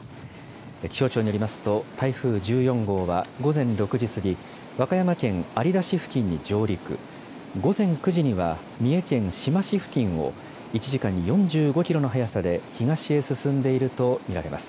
気象庁によりますと、台風１４号は午前６時過ぎ、和歌山県有田市付近に上陸、午前９時には三重県志摩市付近を、１時間に４５キロの速さで東へ進んでいると見られます。